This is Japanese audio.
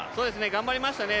頑張りましたね。